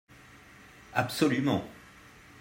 Absolument